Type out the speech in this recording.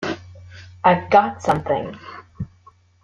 I've got something!